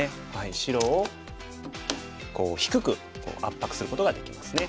白をこう低く圧迫することができますね。